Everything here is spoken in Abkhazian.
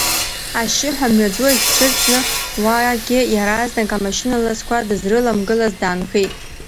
Ашьшьыҳәа амҩаду ахь дцәырҵын, уаагьы иаразнак амашьына ласқәа дызрыламгылазт, даанхеит.